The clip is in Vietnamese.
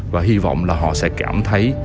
và hy vọng là họ sẽ cảm thấy